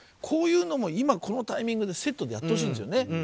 こういうのも今、このタイミングでセットでやってほしいんですよね。